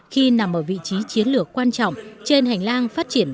khi nằm ở vị trí chiến lược quan trọng trên hành lang phát triển